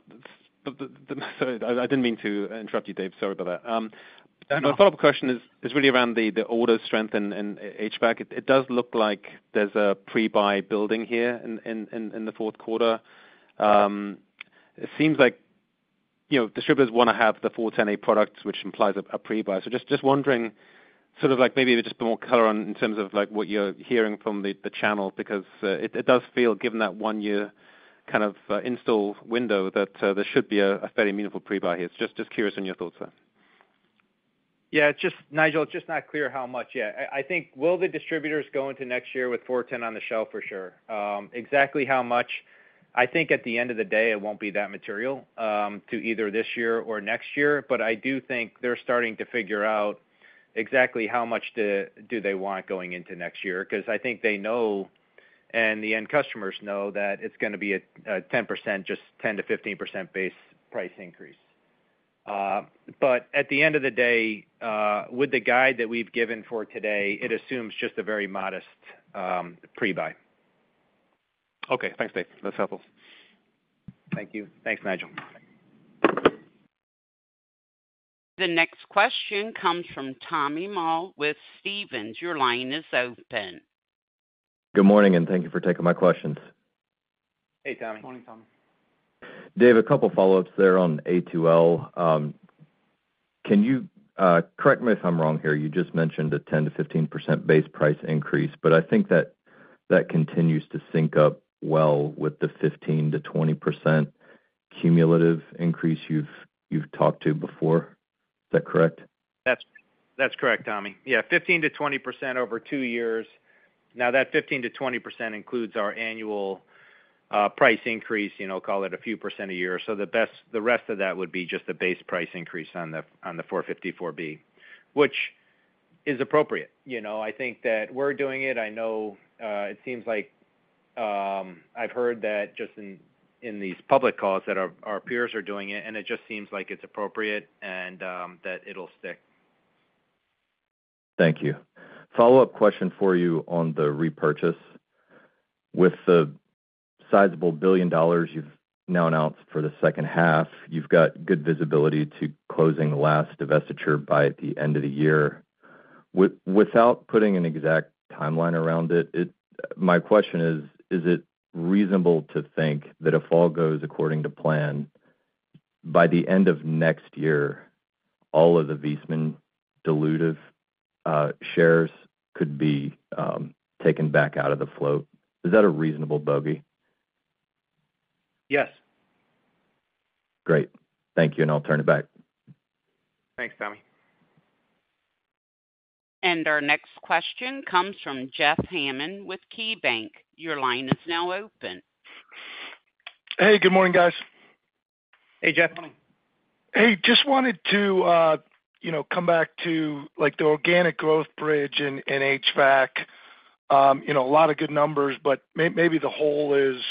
sorry, I didn't mean to interrupt you, Dave. Sorry about that. My follow-up question is really around the order strength in HVAC. It does look like there's a pre-buy building here in the fourth quarter. It seems like distributors want to have the 410A products, which implies a pre-buy. So just wondering sort of maybe just more color on in terms of what you're hearing from the channel because it does feel, given that one-year kind of install window, that there should be a fairly meaningful pre-buy here. Just curious on your thoughts there. Yeah. Nigel, it's just not clear how much yet. I think will the distributors go into next year with 410 on the shelf for sure? Exactly how much? I think at the end of the day, it won't be that material to either this year or next year. But I do think they're starting to figure out exactly how much do they want going into next year because I think they know and the end customers know that it's going to be a 10%, just 10%-15% base price increase. But at the end of the day, with the guide that we've given for today, it assumes just a very modest pre-buy. Okay. Thanks, Dave. That's helpful. Thank you. Thanks, Nigel. The next question comes from Tommy Moll with Stephens. Your line is open. Good morning and thank you for taking my questions. Hey, Tommy. Morning, Tommy. Dave, a couple of follow-ups there on A2L. Correct me if I'm wrong here. You just mentioned a 10%-15% base price increase, but I think that continues to sync up well with the 15%-20% cumulative increase you've talked to before. Is that correct? That's correct, Tommy. Yeah. 15%-20% over two years. Now, that 15%-20% includes our annual price increase, call it a few % a year. So the rest of that would be just a base price increase on the 454B, which is appropriate. I think that we're doing it. I know it seems like I've heard that just in these public calls that our peers are doing it, and it just seems like it's appropriate and that it'll stick. Thank you. Follow-up question for you on the repurchase. With the sizable $1 billion you've now announced for the second half, you've got good visibility to closing the last divestiture by the end of the year. Without putting an exact timeline around it, my question is, is it reasonable to think that if all goes according to plan, by the end of next year, all of the Viessmann dilutive shares could be taken back out of the float? Is that a reasonable bogey? Yes. Great. Thank you, and I'll turn it back. Thanks, Tommy. And our next question comes from Jeff Hammond with KeyBanc. Your line is now open. Hey, good morning, guys. Hey, Jeff. Hey, just wanted to come back to the organic growth bridge in HVAC. A lot of good numbers, but maybe the whole is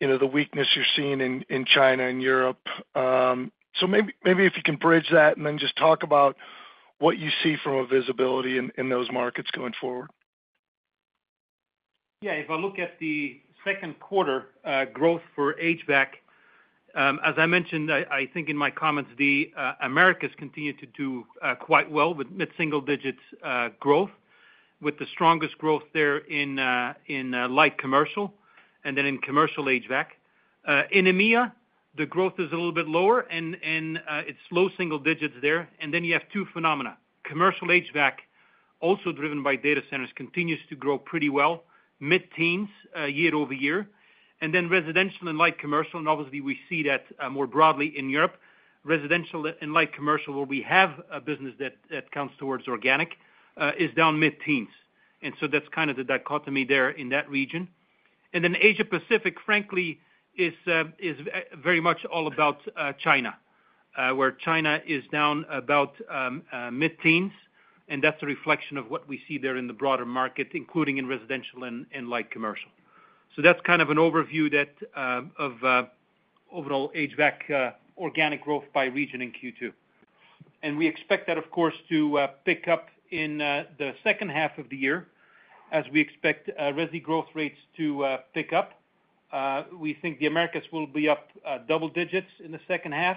the weakness you're seeing in China and Europe. So maybe if you can bridge that and then just talk about what you see from a visibility in those markets going forward. Yeah. If I look at the second quarter growth for HVAC, as I mentioned, I think in my comments, the Americas continue to do quite well with mid-single-digit growth, with the strongest growth there in light commercial and then in commercial HVAC. In EMEA, the growth is a little bit lower, and it's low single digits there. And then you have two phenomena. Commercial HVAC, also driven by data centers, continues to grow pretty well, mid-teens year-over-year. And then residential and light commercial, and obviously, we see that more broadly in Europe. Residential and light commercial, where we have a business that counts towards organic, is down mid-teens. And so that's kind of the dichotomy there in that region. And then Asia-Pacific, frankly, is very much all about China, where China is down about mid-teens, and that's a reflection of what we see there in the broader market, including in residential and light commercial. That's kind of an overview of overall HVAC organic growth by region in Q2. We expect that, of course, to pick up in the second half of the year as we expect Resi growth rates to pick up. We think the Americas will be up double digits in the second half.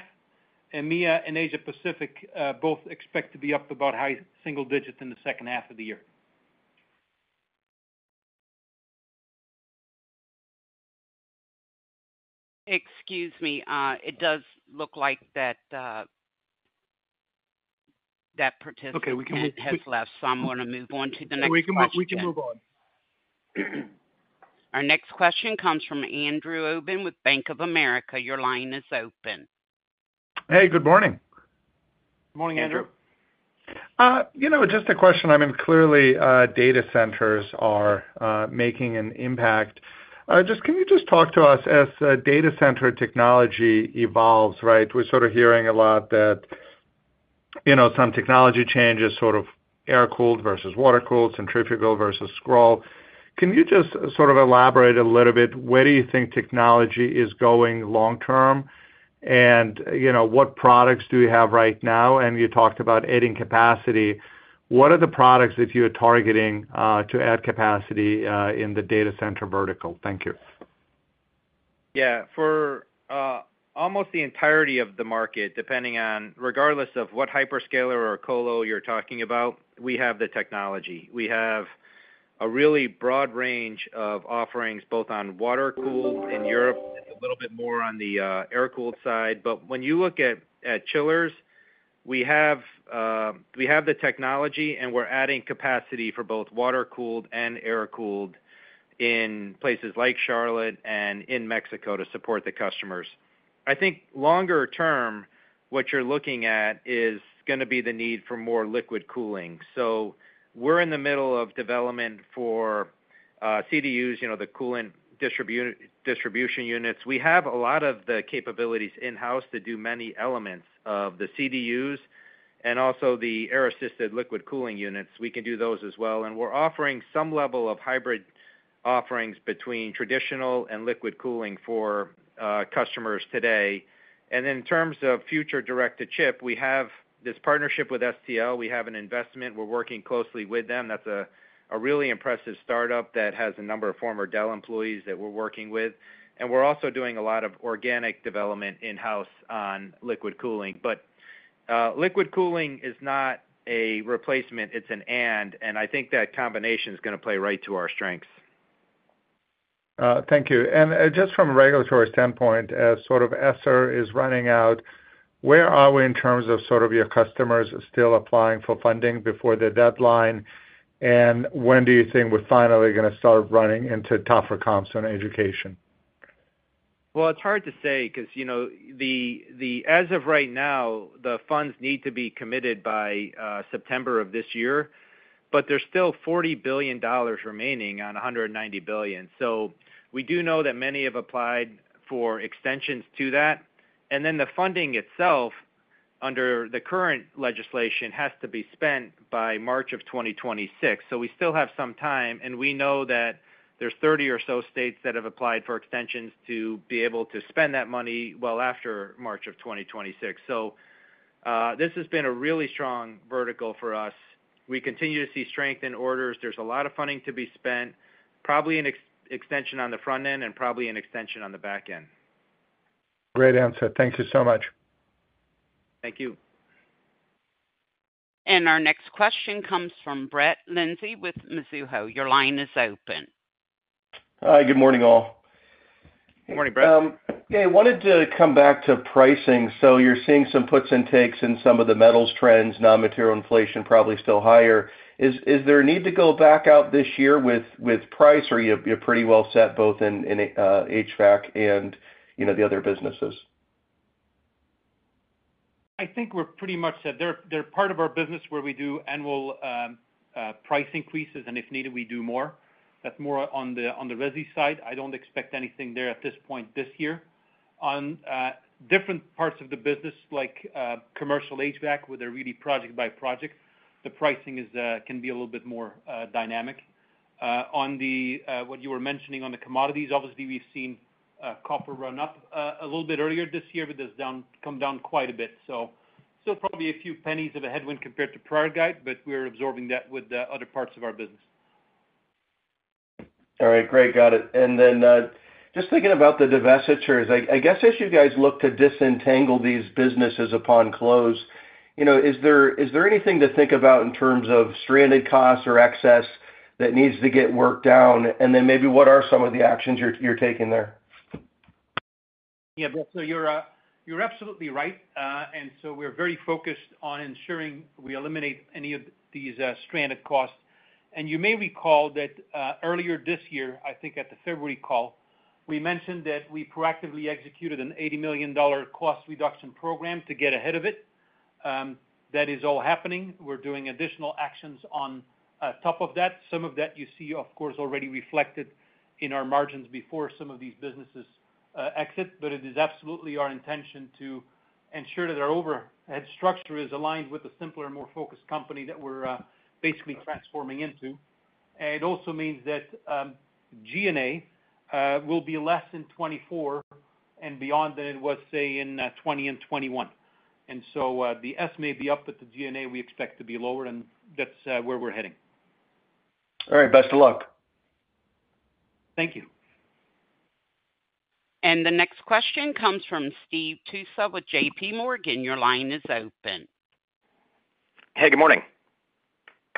EMEA and Asia-Pacific both expect to be up about high single digits in the second half of the year. Excuse me. It does look like that participant has left so I'm going to move on to the next question. We can move on. Our next question comes from Andrew Obin with Bank of America. Your line is open. Hey, good morning. Good morning, Andrew. Just a question. I mean, clearly, data centers are making an impact. Just can you just talk to us as data center technology evolves, right? We're sort of hearing a lot that some technology changes sort of air-cooled versus water-cooled, centrifugal versus scroll. Can you just sort of elaborate a little bit? Where do you think technology is going long-term? And what products do you have right now? And you talked about adding capacity. What are the products that you are targeting to add capacity in the data center vertical? Thank you. Yeah. For almost the entirety of the market, regardless of what hyperscaler or colo you're talking about, we have the technology. We have a really broad range of offerings both on water-cooled in Europe and a little bit more on the air-cooled side. But when you look at chillers, we have the technology, and we're adding capacity for both water-cooled and air-cooled in places like Charlotte and in Mexico to support the customers. I think longer term, what you're looking at is going to be the need for more liquid cooling. So we're in the middle of development for CDUs, the coolant distribution units. We have a lot of the capabilities in-house to do many elements of the CDUs and also the air-assisted liquid cooling units. We can do those as well. And we're offering some level of hybrid offerings between traditional and liquid cooling for customers today. In terms of future direct-to-chip, we have this partnership with STL. We have an investment. We're working closely with them. That's a really impressive startup that has a number of former Dell employees that we're working with. We're also doing a lot of organic development in-house on liquid cooling. Liquid cooling is not a replacement. It's an and. I think that combination is going to play right to our strengths. Thank you. Just from a regulatory standpoint, as sort of ESSER is running out, where are we in terms of sort of your customers still applying for funding before the deadline? And when do you think we're finally going to start running into tougher comps on education? Well, it's hard to say because as of right now, the funds need to be committed by September of this year, but there's still $40 billion remaining on $190 billion. So we do know that many have applied for extensions to that. And then the funding itself, under the current legislation, has to be spent by March of 2026. So we still have some time. And we know that there's 30 or so states that have applied for extensions to be able to spend that money well after March of 2026. So this has been a really strong vertical for us. We continue to see strength in orders. There's a lot of funding to be spent, probably an extension on the front end and probably an extension on the back end. Great answer. Thank you so much. Thank you. Our next question comes from Brett Linzey with Mizuho. Your line is open. Hi. Good morning, all. Good morning, Brett. Yeah. I wanted to come back to pricing. So you're seeing some puts and takes in some of the metals trends, non-material inflation probably still higher. Is there a need to go back out this year with price, or you're pretty well set both in HVAC and the other businesses? I think we're pretty much set. They're part of our business where we do annual price increases, and if needed, we do more. That's more on the Resi side. I don't expect anything there at this point this year. On different parts of the business, like commercial HVAC, where they're really project by project, the pricing can be a little bit more dynamic. On what you were mentioning on the commodities, obviously, we've seen copper run up a little bit earlier this year, but it's come down quite a bit. So still probably a few pennies of a headwind compared to prior guide, but we're absorbing that with other parts of our business. All right. Great. Got it. And then just thinking about the divestitures, I guess as you guys look to disentangle these businesses upon close, is there anything to think about in terms of stranded costs or excess that needs to get worked down? And then maybe what are some of the actions you're taking there? Yeah. So you're absolutely right. And so we're very focused on ensuring we eliminate any of these stranded costs. And you may recall that earlier this year, I think at the February call, we mentioned that we proactively executed an $80 million cost reduction program to get ahead of it. That is all happening. We're doing additional actions on top of that. Some of that you see, of course, already reflected in our margins before some of these businesses exit, but it is absolutely our intention to ensure that our overhead structure is aligned with a simpler, more focused company that we're basically transforming into. It also means that G&A will be less in 2024 and beyond than it was, say, in 2020 and 2021. And so the S may be up, but the G&A we expect to be lower, and that's where we're heading. All right. Best of luck. Thank you. The next question comes from Steve Tusa with JPMorgan. Your line is open. Hey, good morning.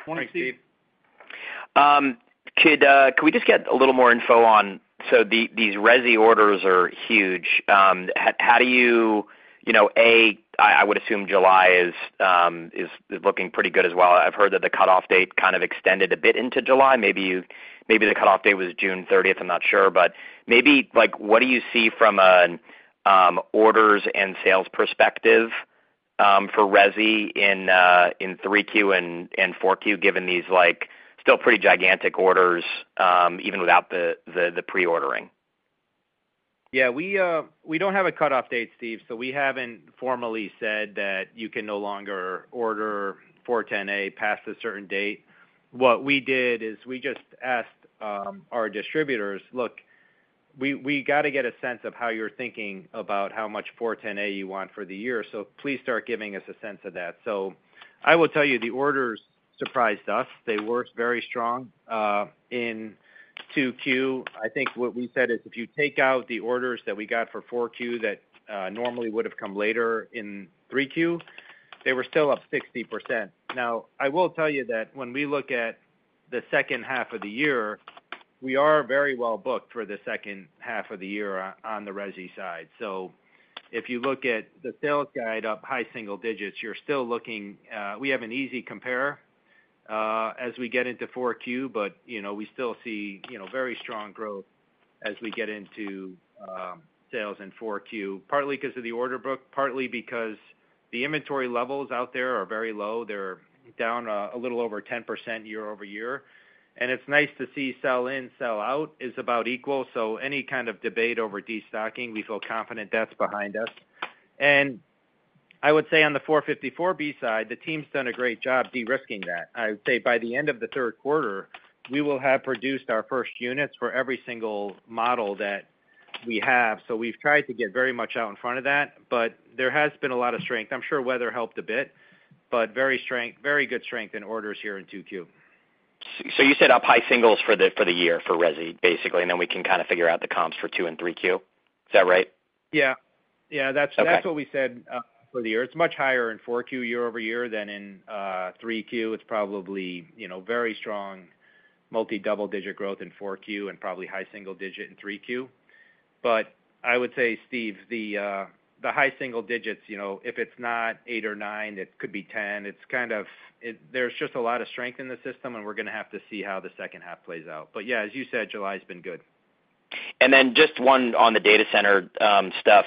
Morning, Steve. Could we just get a little more info on so these Resi orders are huge. How do you. I would assume July is looking pretty good as well. I've heard that the cutoff date kind of extended a bit into July. Maybe the cutoff date was June 30th. I'm not sure. But maybe what do you see from an orders and sales perspective for Resi in 3Q and 4Q, given these still pretty gigantic orders even without the pre-ordering? Yeah. We don't have a cutoff date, Steve, so we haven't formally said that you can no longer order 410A past a certain date. What we did is we just asked our distributors, "Look, we got to get a sense of how you're thinking about how much 410A you want for the year. So please start giving us a sense of that." So I will tell you, the orders surprised us. They were very strong in 2Q. I think what we said is if you take out the orders that we got for 4Q that normally would have come later in 3Q, they were still up 60%. Now, I will tell you that when we look at the second half of the year, we are very well booked for the second half of the year on the Resi side. So if you look at the sales guide up high single digits, you're still looking—we have an easy compare as we get into 4Q, but we still see very strong growth as we get into sales in 4Q, partly because of the order book, partly because the inventory levels out there are very low. They're down a little over 10% year-over-year. And it's nice to see sell-in, sell-out is about equal. So any kind of debate over destocking, we feel confident that's behind us. And I would say on the 454B side, the team's done a great job de-risking that. I would say by the end of the third quarter, we will have produced our first units for every single model that we have. So we've tried to get very much out in front of that, but there has been a lot of strength. I'm sure weather helped a bit, but very good strength in orders here in 2Q. So you said up high singles for the year for Resi, basically, and then we can kind of figure out the comps for 2Q and 3Q. Is that right? Yeah. Yeah. That's what we said for the year. It's much higher in 4Q year-over-year than in 3Q. It's probably very strong multi-double-digit growth in 4Q and probably high single digit in 3Q. But I would say, Steve, the high single digits, if it's not 8 or 9, it could be 10. There's just a lot of strength in the system, and we're going to have to see how the second half plays out. But yeah, as you said, July's been good. Just one on the data center stuff.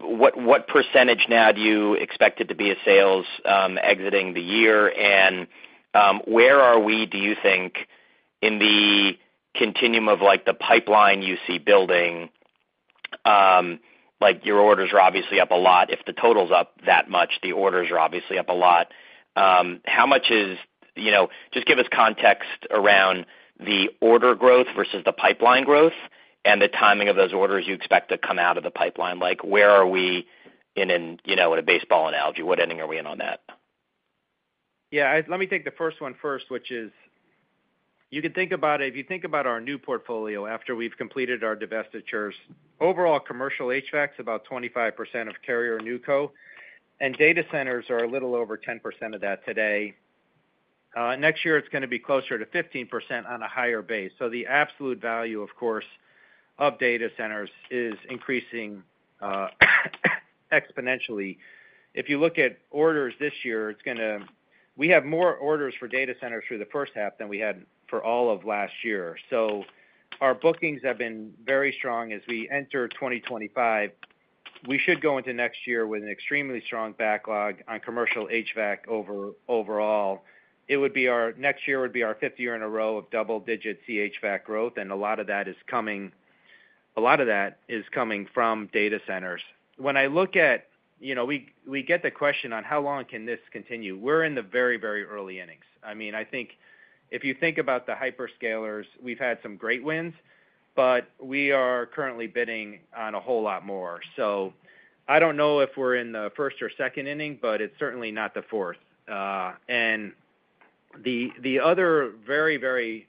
What percentage now do you expect it to be of sales exiting the year? And where are we, do you think, in the continuum of the pipeline you see building? Your orders are obviously up a lot. If the total's up that much, the orders are obviously up a lot. How much is—just give us context around the order growth versus the pipeline growth and the timing of those orders you expect to come out of the pipeline. Where are we in a baseball analogy? What inning are we in on that? Yeah. Let me take the first one first, which is you can think about it. If you think about our new portfolio after we've completed our divestitures, overall commercial HVAC's about 25% of Carrier NewCo, and data centers are a little over 10% of that today. Next year, it's going to be closer to 15% on a higher base. So the absolute value, of course, of data centers is increasing exponentially. If you look at orders this year, we have more orders for data centers through the first half than we had for all of last year. So our bookings have been very strong as we enter 2025. We should go into next year with an extremely strong backlog on commercial HVAC overall. Next year would be our fifth year in a row of double-digit CHVAC growth, and a lot of that is coming, a lot of that is coming from data centers. When I look at, we get the question on how long can this continue. We're in the very, very early innings. I mean, I think if you think about the hyperscalers, we've had some great wins, but we are currently bidding on a whole lot more. So I don't know if we're in the first or second inning, but it's certainly not the fourth. And the other very, very,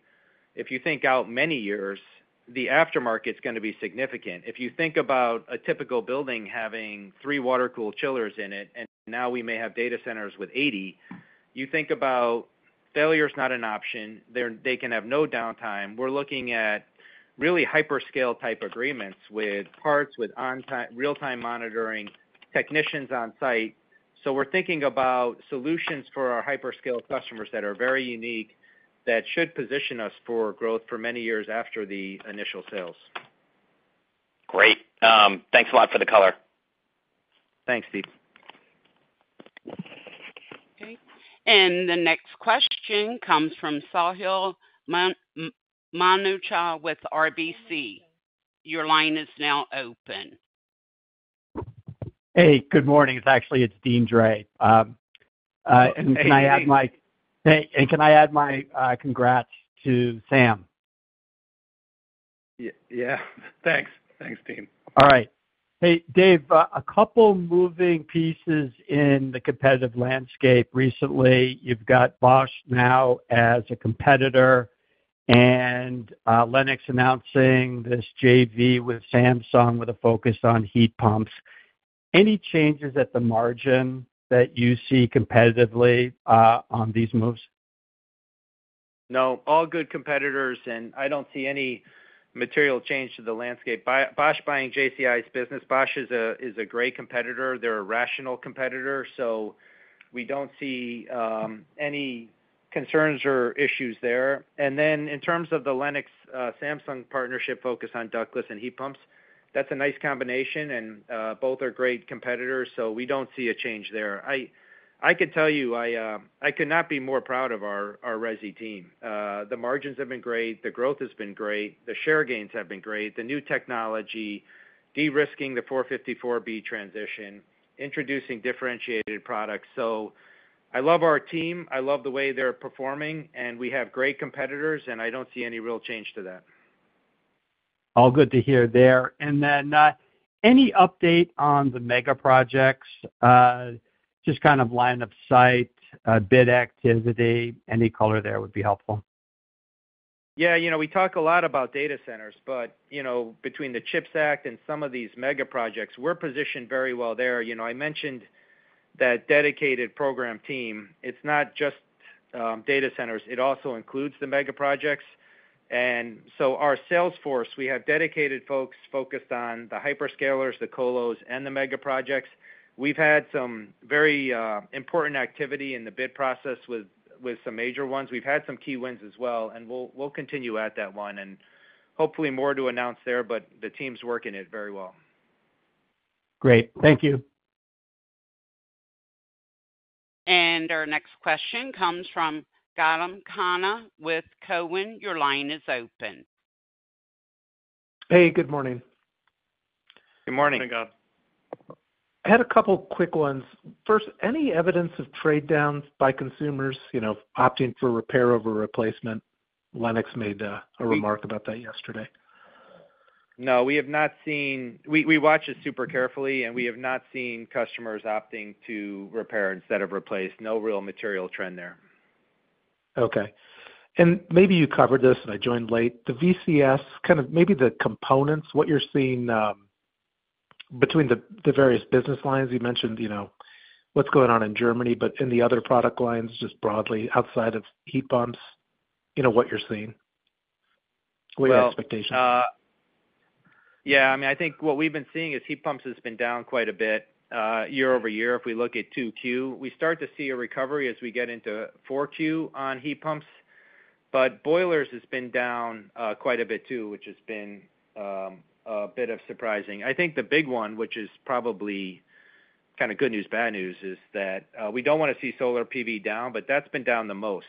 if you think out many years, the aftermarket's going to be significant. If you think about a typical building having three water-cooled chillers in it, and now we may have data centers with 80, you think about failure's not an option. They can have no downtime. We're looking at really hyperscale type agreements with parts, with real-time monitoring, technicians on site. So we're thinking about solutions for our hyperscale customers that are very unique that should position us for growth for many years after the initial sales. Great. Thanks a lot for the color. Thanks, Steve. Okay. The next question comes from Sahil Manocha with RBC. Your line is now open. Hey, good morning. Actually, it's Deane Dray. And can I add my congrats to Sam? Yeah. Thanks. Thanks, Deane. All right. Hey, Dave, a couple moving pieces in the competitive landscape recently. You've got Bosch now as a competitor and Lennox announcing this JV with Samsung with a focus on heat pumps. Any changes at the margin that you see competitively on these moves? No. All good competitors, and I don't see any material change to the landscape. Bosch buying JCI's business. Bosch is a great competitor. They're a rational competitor, so we don't see any concerns or issues there. And then in terms of the Lennox-Samsung partnership focus on ductless and heat pumps, that's a nice combination, and both are great competitors, so we don't see a change there. I can tell you I could not be more proud of our Resi team. The margins have been great. The growth has been great. The share gains have been great. The new technology, de-risking the 454B transition, introducing differentiated products. So I love our team. I love the way they're performing, and we have great competitors, and I don't see any real change to that. All good to hear there. Then any update on the megaprojects, just kind of line of sight, bid activity? Any color there would be helpful. Yeah. We talk a lot about data centers, but between the CHIPS Act and some of these megaprojects, we're positioned very well there. I mentioned that dedicated program team. It's not just data centers. It also includes the megaprojects. And so our sales force, we have dedicated folks focused on the hyperscalers, the colos, and the megaprojects. We've had some very important activity in the bid process with some major ones. We've had some key wins as well, and we'll continue at that one and hopefully more to announce there, but the team's working it very well. Great. Thank you. Our next question comes from Gautam Khanna with TD Cowen. Your line is open. Hey, good morning. Good morning. Morning, Gautam. I had a couple quick ones. First, any evidence of trade-downs by consumers opting for repair over replacement? Lennox made a remark about that yesterday. No. We have not seen, we watch it super carefully, and we have not seen customers opting to repair instead of replace. No real material trend there. Okay. Maybe you covered this, and I joined late. The VCS, kind of maybe the components, what you're seeing between the various business lines. You mentioned what's going on in Germany, but in the other product lines, just broadly outside of heat pumps, what you're seeing. What are your expectations? Yeah. I mean, I think what we've been seeing is heat pumps has been down quite a bit year-over-year if we look at 2Q. We start to see a recovery as we get into 4Q on heat pumps, but boilers has been down quite a bit too, which has been a bit surprising. I think the big one, which is probably kind of good news, bad news, is that we don't want to see Solar PV down, but that's been down the most.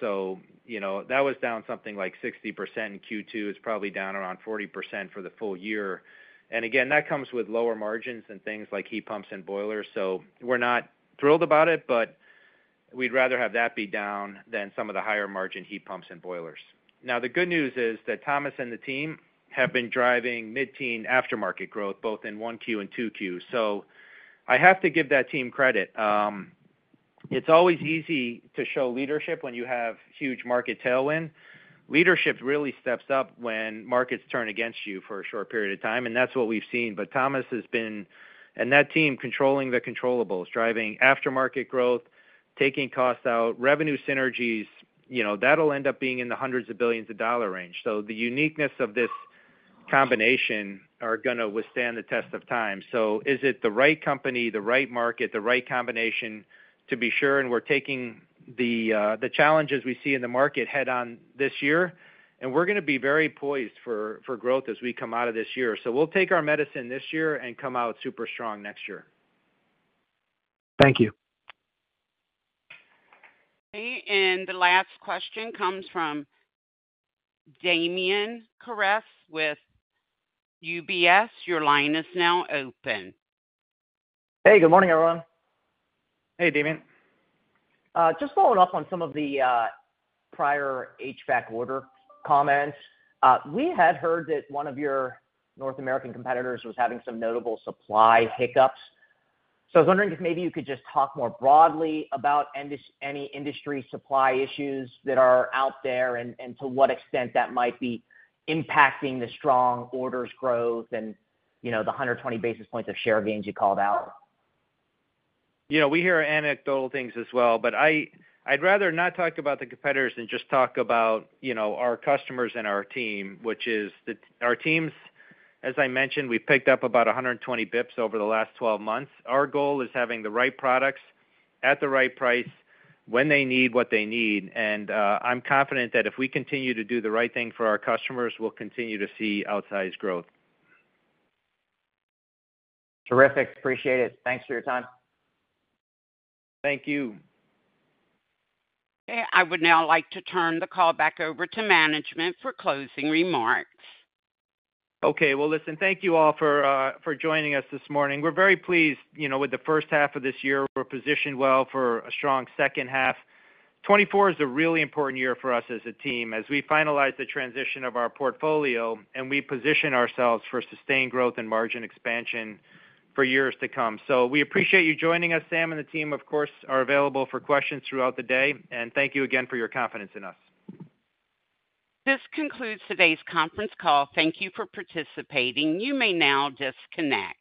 So that was down something like 60% in Q2. It's probably down around 40% for the full year. And again, that comes with lower margins and things like heat pumps and boilers. So we're not thrilled about it, but we'd rather have that be down than some of the higher margin heat pumps and boilers. Now, the good news is that Thomas and the team have been driving mid-teen aftermarket growth both in 1Q and 2Q. So I have to give that team credit. It's always easy to show leadership when you have huge market tailwind. Leadership really steps up when markets turn against you for a short period of time, and that's what we've seen. But Thomas has been - and that team controlling the controllables - driving aftermarket growth, taking costs out, revenue synergies. That'll end up being in the hundreds of billions of dollars range. So the uniqueness of this combination is going to withstand the test of time. So is it the right company, the right market, the right combination? To be sure, and we're taking the challenges we see in the market head-on this year, and we're going to be very poised for growth as we come out of this year. We'll take our medicine this year and come out super strong next year. Thank you. Okay. The last question comes from Damian Karas with UBS. Your line is now open. Hey, good morning, everyone. Hey, Damian. Just following up on some of the prior HVAC order comments, we had heard that one of your North American competitors was having some notable supply hiccups. So I was wondering if maybe you could just talk more broadly about any industry supply issues that are out there and to what extent that might be impacting the strong orders growth and the 120 basis points of share gains you called out? We hear anecdotal things as well, but I'd rather not talk about the competitors and just talk about our customers and our team, which is our teams, as I mentioned, we picked up about 120 basis points over the last 12 months. Our goal is having the right products at the right price when they need what they need. And I'm confident that if we continue to do the right thing for our customers, we'll continue to see outsized growth. Terrific. Appreciate it. Thanks for your time. Thank you. Okay. I would now like to turn the call back over to management for closing remarks. Okay. Well, listen, thank you all for joining us this morning. We're very pleased with the first half of this year. We're positioned well for a strong second half. 2024 is a really important year for us as a team as we finalize the transition of our portfolio, and we position ourselves for sustained growth and margin expansion for years to come. So we appreciate you joining us. Sam and the team, of course, are available for questions throughout the day. And thank you again for your confidence in us. This concludes today's conference call. Thank you for participating. You may now disconnect.